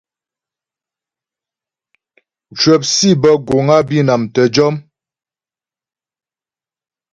Mcwəp sǐ bə́ guŋ á Bǐnam tə́ jɔm.